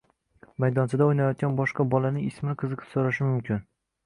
maydonchada o‘ynayotgan boshqa bolaning ismini qiziqib so‘rashi mumkin.